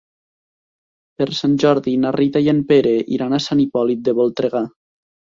Per Sant Jordi na Rita i en Pere iran a Sant Hipòlit de Voltregà.